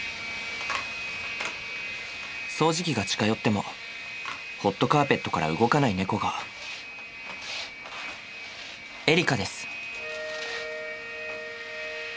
掃除機が近寄ってもホットカーペットから動かない猫がエリカです。